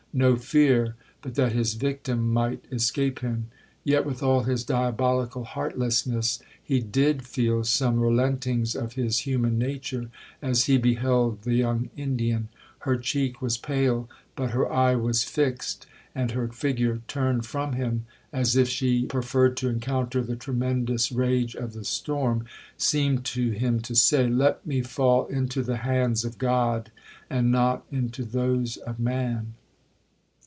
No fear—but that his victim might escape him. Yet with all his diabolical heartlessness, he did feel some relentings of his human nature, as he beheld the young Indian; her cheek was pale, but her eye was fixed, and her figure, turned from him, (as if she preferred to encounter the tremendous rage of the storm), seemed to him to say, 'Let me fall into the hands of God, and not into those of man.'